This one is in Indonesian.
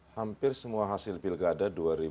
hampir semua hasil pilkada dua ribu dua puluh